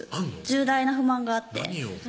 重大な不満があって何よ？